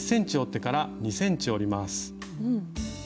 １ｃｍ折ってから２ｃｍ折ります。